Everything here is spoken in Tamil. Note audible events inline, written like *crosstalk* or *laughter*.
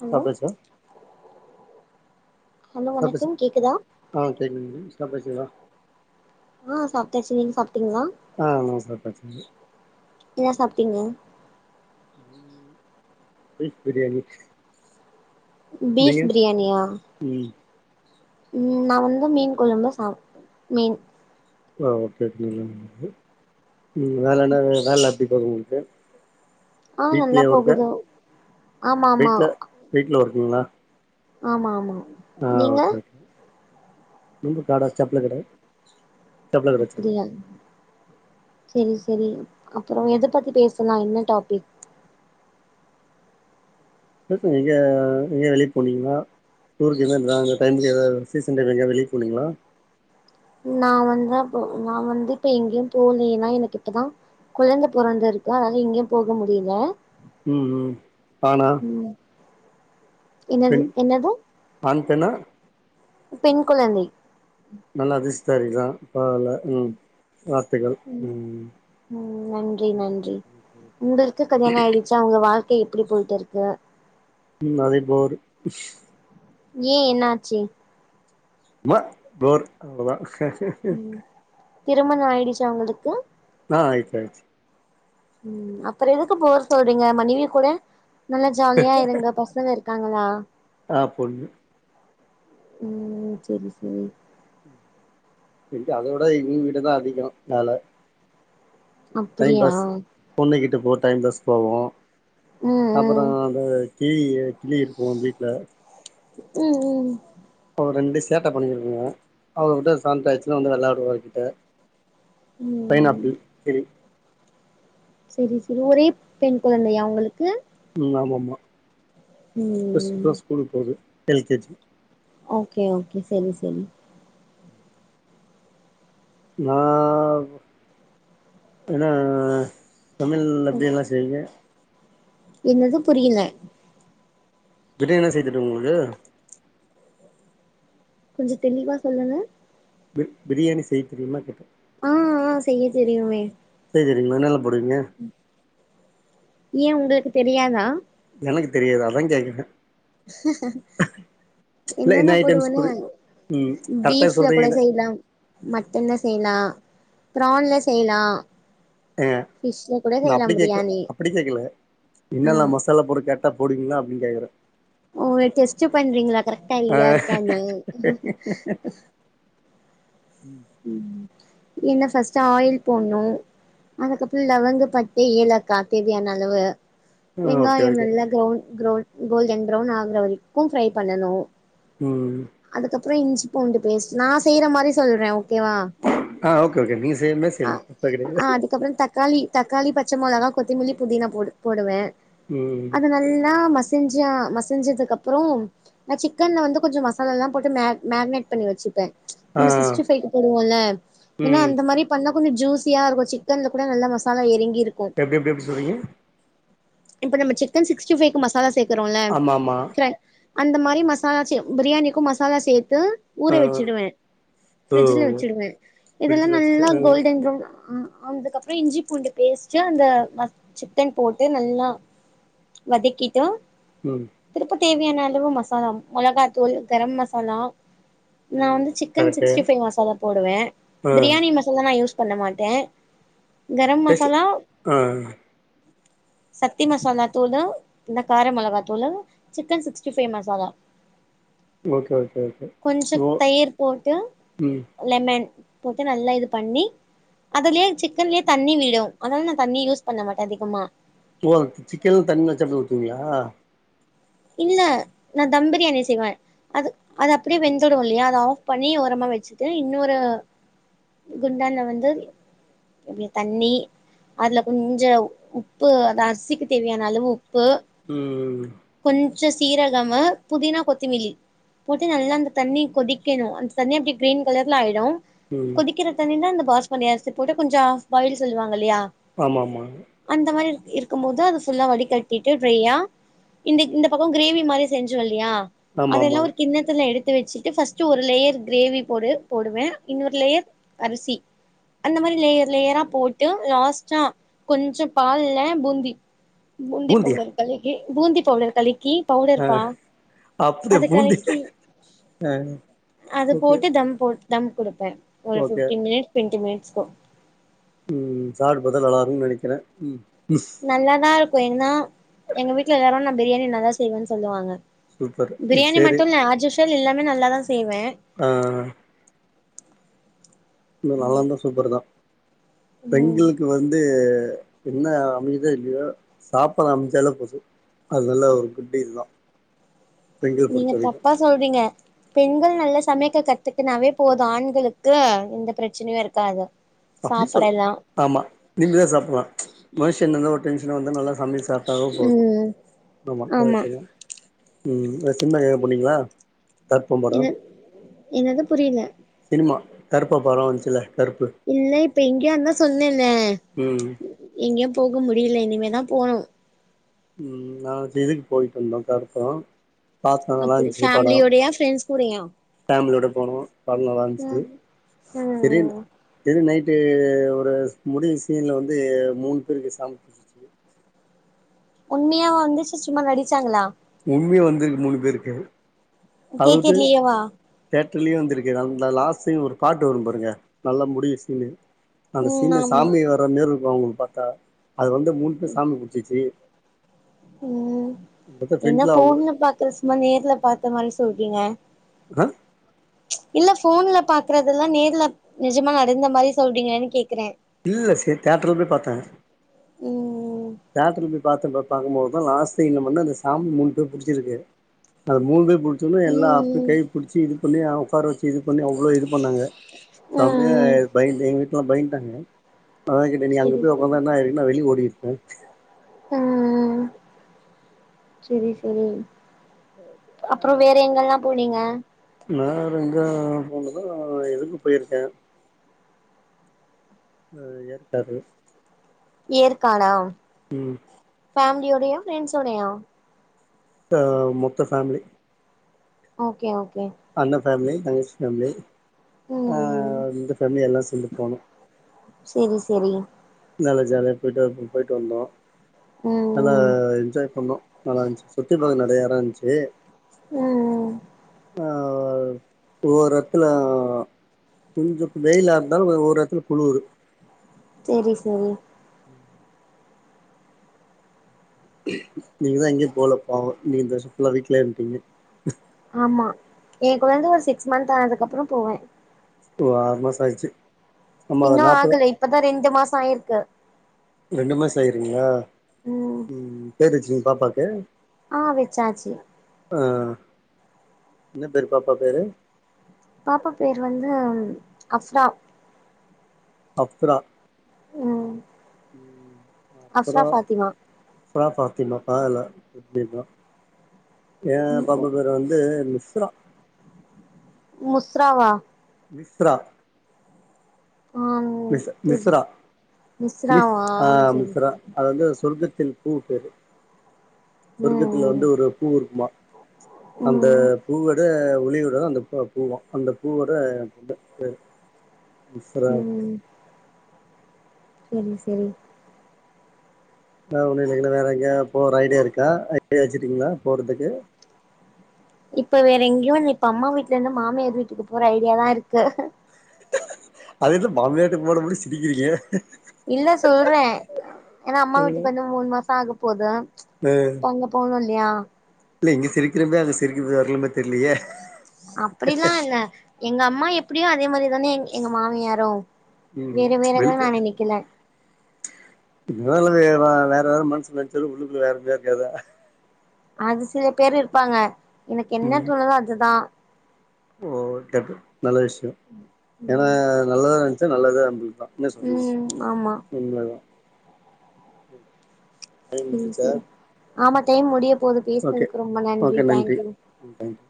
ஹலோ சாப்ட்டாச்சா ஹலோ சாப்டாச்சு வணக்கம் கேக்குதா ஆ செரிங்க ச பேசிக்கலா ஆ சாப்ட்டாச்சு நீங்க சாப்ட்டீங்களா ஆ நா சாப்ட்டாச்சுங்க என்ன சாப்ட்டீங்க ம் பீஃப் பிரியாணி நீங்க பீஃப் பிரியாணியா ம் ம் நா வந்து மீன் கொழம்பு சாப் மீன் ஆ ஓகே *unintelligible* ம் வேற என்ன வேல எப்டி போகுது உங்களுக்கு ஆ நல்லா வீட்லயே ஒர்க்கா போகுது ஆமா ஆமா வீட்ல வீட்ல ஒர்க்குங்களா ஆமா ஆமா ஆ நீங்க ஓகே ஓகே நம்ப காடா செப்லு கட செப்பல கட வச்சிருக்கீங்க அப்டியா செரி செரி அப்றோ எத பத்தி பேசு லா என்ன டாப்பிக் ஆ எங்க எங்க எங்கேயா வெளிய போனீங்களா டூர் கீரு *unintelligible* அந்த டைமுக்கு எதாது சீசன் டைம் எங்காது வெளிய போனீங்களா நா வந்தா இப்போ நா வந்து இப்ப எங்கியும் போலயே ஏனா எனக்கு இப்பதா கொழந்த பொறந்து இருக்கு அதனால எங்கியு போக முடியல ம் ம் ஆணா ம் என்னது பெண் என்னது ஆண் பெண்ணா பெண் குழந்தை நல்லா அதிர்ஷ்டதாரிதா பரவால்ல ம் ம் ம் நன்றி நன்றி ம் உங்களுக்கு கல்யாண ஆயிடு ச்சா உங்க வாழ்க்க எப்டி போயிட்ருக்கு ம் அதே போரு ஏ என்னாச்சு ம்மா போர் அவ்ளதா ம் திருமணோ ஆயிடுச்சா உங்களுக்கு ஆ ஆயிடுச்சு ஆயிடுச்சு ம் அப்புற எதுக்கு போரு சொல்றீங்க மனைவி கூட நல்லா ஜாலியா இருங்க பசங்க இருக்காங்களா ஆ பொண்ணு ம் செரி செரி எங்க அத உட இவுங்ககிட்ட தா அதிகம் மேல டைம் அப்டியா பாஸ் பொண்ணுக்கிட்ட போ டைம் பாஸ் போவு ம் ம் அப்பறம் அந்த கியி கிளி இருக்கு வீட்ல ம் ம் ஒரு ரெண்டு சேட்ட பண்ணிக்கிட்ருங்க அவுங்கிட்ட சண்டாச்சுன்னா வந்து வெளாடுவா எங்கிட்ட ம் பைனாப்பிள் கிளி செரி செரி ஒரே பெண் குழந்தையா உங்களுக்கு ம் ஆமா மா ம் ஃபர்ஸ்ட் இப்பதா ஸ்கூலுக்கு போகுது L K G okay okay சொல்லு சொல்லு ம் நா என்ன தமிழ் அப்டியெல்லா செய்ங்க என்னது புரியல பிரியாணில்லா செய்ய தெரிமா உங்களுக்கு கொஞ்சோ தெளிவா சொல்லுங்க பிரியாணி செய்ய தெரியுமா கேட்ட ஆ ஆ செய்ய தெரியுமே செய்ய தெரியுமா என்னென்ன போடுவீங்க ஏன் உங்களுக்கு தெரியாதா எனக்கு தெரியாது அதா கேக்குற *unintelligible* இல்ல என்ன என்னன்ன ஐட்டம்ஸ் போடுவனா புரி ம் கரெக்டா பீஃப்ல கூட சொல்றீங்கல்ல செய்வ மட்டன்ல செய்லா பிரான்ல செய்லா ஏங்க ஃபிஷ்ல கூட நா செய்லா அப்டி கேக்ல பிரியாணி அப்டி கேக்கல ஆ என்னென்ன மசாலா போட்ற கேட்ட டா போடுவீங்ளா அப்டின் கேக்குற ஓ டெஸ்ட் பண்றீங்ளா கரெக்டா இல்லயா இருக்கானு ம் ம் என்ன ஃபர்ஸ்ட்டு ஆயில் போடணு அதுக்கப்பற லவங்க பட்ட ஏலாக்கா தேவையான அளவு ம் ஓகே வெங்காய ஓகே நல்லா க்ரவுன் க்ரவுன் கோல்டன் ப்ரௌன் ஆகுற வரைக்கு ஃப்ரை பண்ணனு ம் அதுக்கப்பற இஞ்சி பூண்டு பேஸ்ட் நா செய்ற மாரி சொல்ற ஓகே வா ஆ ஓகே ஓகே நீங்க செய்ற மாரி அ செய்யலா தப்பே கெடையாது அதுக்கப்பற தக் காளி தக்காளி பச்ச மொளகா கொத்தமல்லி புதினா போ போடுவே ம் அது நல்லா மசி கொஞ்சோ மசுஞ்சதுக்கு அப்பற நா சிக்கன்ல வந்து கொஞ்சோ மசாலால்லா போட்டு மேக் மேக்னேட் பண்ணி வச்சு ப ஆ நம்ம சிக்ஸ்டி ஃபைவ்க்கு போடுவோல ஏன்னா ம் அந்த மாரி பண்ணா கொஞ்சோ ஜூஸியா இருக்கு சிக்கனில கூட நல்லா மசாலா இறங்கிருக் எப்டி எப் எப்டி சொல்றீங்க இப்ப நம்ம சிக்கன் சிக்ஸ்ட்டி ஃபைவ்க்கு மசாலா சேக்றோல ஆமா ஆமா அந்த மாரி மசாலா ச பிரியாணிக்கு மசாலா சேர்த்து ஊற ஆ வச்சிடுவே ஓ பிரிஜ்ல வச்சுடுவே இதெல்லா ஃப்ரிட்ஜ்ல வச்சுட்டு நல்லா ஆ கோல்டன் பிரவுன் ஆன து கப் அப்ற இஞ்சி பூண்டு பேஸ்ட்டு அந்த ம சிக்கன் போட்டு நல்லா வதக்கிட்டு ம் திருப்ப தேவையான அளவு மசாலா மொளகாத்தூள் கரம் மசாலா நா ம் வந்து chicken correct sixty five masala போடுவே ஆ பிரியாணி மசாலா நா யூஸ் பண்ண மாட்டே கரம் டேஸ்ட் மசாலா ஆ சக்தி மசாலா தூள்தா இந்த கார மிளகா தூளு. Chicken sixty five masala okay okay okay கொஞ்சோ ஓ தயிர் போட்டு ம். லெமன் போட்டு நல்லா இது பண்ணி அதுலியே சிக்கன்லியே தண்ணி விடு அதனால் நா தண்ணி யூஸ் பண்ண மாட்டே அதிகமா. ஓ த்து சிக்கன்ல் தண்ணி வெச்சு அப்டியே ஊத்துவிங்ளா? இல்ல நா தம் பிரியாணி செய்வே‌. அது அது அப்டியே வெந்துடு இல்லையா அத ஆஃப் பண்ணி ஓரமா வெச்சுட்டு இன்னோரு‌‌ குண்டான்ல்ல வந்து எப்டி தண்ணி அதுல கொஞ்ச உப்பு அது அரிசிக்கு தேவையான அளவு உப்பு ம் ம் ம். கொஞ்சோ சீரகமு புதினா கொத்துமில்லி போட்டு நல்லா அந்த தண்ணி கொதிக்கணு அந்த தண்ணி அப்டே கிரீன் கலர்ல ஆயிடு. ம் கொதிக்கிற தண்ணில அந்த பாஸ்மதி அரிசி போட்டு கொஞ்சோ ஹாஃப்பாயில் சொல்லுவாங்க இல்லியா ஆமாமாங் அந்த மாரி இருக் இருக்கும் போது அது ஃபுல்லா வடிகட்டிட்டு ட்ரையா இந்தக் இந்த பக்கோ கிரேவி மாரி செஞ்சோ இல்லையா ஆமா ஆமா அதெல்லா ஒரு கிண்ணத்துல எடு த்து வெச்சுட்டு ஃபஸ்ட்டு ஒரு லேயர் கிரேவி போடு போடுவே இன்னொரு லேயர் அரிசி அந்த மாரி லேயர் லேயரா போட்டு லாஸ்ட்டா கொஞ்சோ பால்ல பூந்தி பூந்தி பூந்தியா பவுடர் கலக்கி பூந்தி பவுடர் கல கி ஆ பவுடர்பா அதுக்கலக்கி அ அ அது போட்டு தம்போட் தம் குடுப்பே ஒரு ஓகே ஃபிஃப்டீன் மினிட் டுவெண்ட்டி மினிட்ஸ்க்கு ம் ம் சாப்ட்டு பாத்தா நல்லா இருக்குன் நெனக்கிறே ம். நல்லாதா இருக்கு ஏன்னா எங்க வீட்ல எல்லாரு நா பிரியாணி நல்லா செய்வேன் சொல்லுவாங்க. சூப்பர் இது பிரியாணி சரி மட்டு இல்ல ஆஜூஷ்வல் எல்லாமே நல்லாதா செய்வே. அ அ. ம் நல்லாந்தா சூப்பர்தா ம் பெண்களுக்கு வந் து என்ன அமையுதோ இல்லையோ சாப்பாடு அமைஞ்சாலே போது. அது நல்ல ஒரு குட் இதுதா. பெண்கள நீங்க பொறுத்த வரைக்கு தப்பா சொல்றீங்க. பெண்கள் நல்லா சமைக்க கத்துக்குனாவே போது ஆண்களுக்கு எந்த பிரச்சனையு இருக்காது. அப்டி சொல் சாப்படலா ஆமா நிம்மிதியா சாப்பல்லா மனுஷன்ருந்தா ஒரு டென்ஷன் வந்த நல்லா சமைய் சாப் டாவே போது ம் ஆமா கரக்ட்டுதா. ம் இந்த சினிமாக் எங்கயாது போனீங்ளா கருப்பம்படோ. இது என்னது புரியல சினிமா கருப்பா படோ வஞ்ச்சுல்ல கருப்பு இல்ல இப்ப எங்கியு அதா சொன்னே இல்ல ம் எங்கியு போக முடில இனிமேதா போணு. ம் நாங் இந்திதுக்கு போயிட்டு வந்தோ கருப்படோ. பாத்தோ அப்படி நல்லாந்ச்சி படோ ஃபேமிலியோடயா ஃப்ரெண்ட்ஸ் கூடயா ஃபேமிலியோட போனோ படோ நல்லாந்ச்சி. ம் திடீர்னு ம் திடீர்ன் நைட்டு ஒரு ஸ் முடியு சீன்ல வந்து மூணு பேருக்கு சாமி புடிச்சிருச்சி. உண்மையாவா வந்துச்சு சும்மா நடிச்சாங்களா? உண்மியா வந்துருக்கு மூணு பேருக்கு அத உட்டு தேட்டர்லயேவா தியேட்டர்லியு வந்துருக்கு அந்த லாஸ்ட் சீன் ஒரு பாட்டு வரும் பாருங்க நல்லா முடியு சீனு அந்த ம் சீன்னு ஆமா சாமி வர்ற மேர்ருக்கு அவுங்குளுக் பாத்தா அத வந்து மூணு பேர் சாமி புடிச்சிச்சி. ம் என்ன ஃப்ரெண்ட்ல அவரு ஃபோன்ல பாக்ற சும்மா நேர்ல பாத்த மாரி சொல்றீங்க ஆ இல்ல ஃபோன்ல பாக்றதல்லா நேர்ல நெஜமா நடந்த மாரி சொல்றீங்கன்னு கேக்றே இல்ல சரி தேட்டர்ல் போய் பாத்த ம் தேட்டல போய் பாத்த பாக்குபோதுதா லாஸ் சீன்ல வந்து அந்த சாமி மூணு பேர் புடிச்சிருக்கு அந்த மூண் பேர் படிச்சுந்து எல்லா ம் கை புடிச்சு இது பண்ணி அ ஒக்கார வச்சு இது பண்ணி அவ்ள இது பண்ணாங்க ஆ சமயா எ பயந்து எங்க வீட்லா பயந்ட்டாங்க அதா கேட்டே நீ அங்க செரி போய் செரி ஒக்காந்தா என்ன ஆயிருக்குன்னா வெளிய ஒடிருப்பே ம் செரி சரி அப்றம் வேற எங்கல்லா போனீங்க நா ரெண்டாவதா போனது இதுக்கு போயிருக்கே அது ஏற்காடு ஏற்காடா ம் ஃபேம்லியோடயா ஃப்ரெண்ட்ஸ்ஸோடயா இது மொத்த ஃபேமிலி ஓகே ஓகே அண்ண ஃபேமிலி தங்கச்சி ஃபேமிலி ம் ம் இந்த ஃபேமிலி எல்லா செர்ந்து போனோ செரி செரி நல்லா ஜாலியா போய்டு போய்டு வந்தோ நல்லா ம் ம் என்ஜாய் பண்ணோ நல்லா இருந்ச்சு சுத்தி பா நறைய எடம் இருந்ச்சு ம் ம் ஆ ஓர் எட்துல கொஞ்ச வெயிலா இருந்தாலு ஒரு எட்த்துல குளுரு செரி செரி ம் நீங்க தான் எங்கேயு போல பாவோ நீங்க இந்த வஷ்ம் ஃபுல்லா வீட்லயே இருந்டீங்க ஆமா என் கொழந்த ஒரு சிக்ஸ் மந்த் ஆனதுக்கப்பறம் போவே ஒ ஆருமாசாமாயிச்சு இன்னும் ஆகல இப்பதா ரெண்டு மாசம் ஆயிருக்கு ரெண்டு மாச ஆயிருங்களா ம் பேர் வச்சிங்க பாப்பாக்கு ஆ வெச்சாச்சு அ என்ன பேரு பாப்பா பேரு பாப்பா பேர் வந்து அஃப்ரா அஃப்ரா ம் அஃப்ரா அப்ரா ஃபாத்திமா அஃப்ரா ஃபாத்திமா வா இல்ல என் ம் பாப்பா ம் பேரு வந்து மிஸ்ரா முஸ்ராவா மிஸ்ரா ஆம் மிஸ் தெரி மிஸ்ரா மிஸ் மிஸ்ராவா அ செரி மிஸ்ரா செரி அது வந்து சொர்கத்தில் பூ பேரு சொர்கத்துல ம் வந்து ம் ஒரு பூ இருக்குமா அந்த ம் பூவோட ஒளியோட தா அந்த பூவ பூவா அந்த பூவோட இந்த, மிஸ்ரா ம் செரி செரி நா ஒன்னு இல்லைனா வேற எங்யாது போற ஐடியா இருக்கா ஐடியா வச்சுடிங்களா போறதுக்கு இப்ப வேற எங்கேயு இல்ல இப்ப அம்மா வீட்லருந்து மாமியார் வீட்டுக்கு போற ஐடியா தா இருக்கு அது என்ன மாமியார்ட்ட போனபடி சிரிக்கிறீங்க இல்ல சொல்றே ஏன்னா அம்மா வீட்டுக்கு வந்து மூணு மாச ஆக போது அ உங்க போகல்யா இல்ல இங்க சிரிக்கிறமே அங்க சிரிக்கறதுக் வரலன தெரிலையே அப்டிலா இல்ல எங்க அம்மா எப்டியோ அதே மாரி தானே எங் எங்க மாமியாரு ம் வேற வேற ல்லா வெளுத்து நா நெனக்கல இதனால வேற ஆரு மனசுலச்துச்சது உள்ளுக்குல வேற *unintelligible* இருக்காதா அது சில பேர் இருப்பாங்க எனக்கு என்ன ம் தோணுதோ அதுதா ஓ கேட்டு நல்ல விஷ்யொ ஏன்னா நல்லதா நெனச்சா நல்லதே நம்ளுக் தா என்ன சொல்லிரு ம் ஆமா உண்மதா சரிங் சரி ஆமா டைம் முடிய போது ஓகே பேசுனதுக்கு ரொம்ப நன்றி தேங்க்யூ ம் தேங்க்யூ